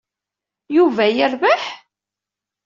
Yuba yerbeḥ?